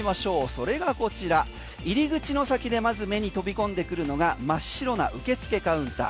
それがこちら入口の先でまず目に飛び込んでくるのが真っ白な受付カウンター。